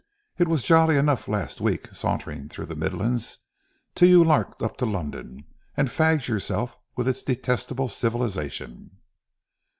It was jolly enough last week sauntering through the Midlands, till you larked up to London, and fagged yourself with its detestable civilization."